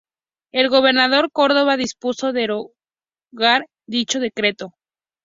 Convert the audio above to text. El gobernador Córdoba dispuso derogar dicho decreto.